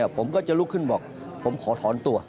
ผมก็จะลุกขึ้นบอกผมขอถอนตัว